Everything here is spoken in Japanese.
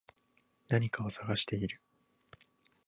何かを探している